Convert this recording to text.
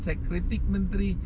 saya kritik menteri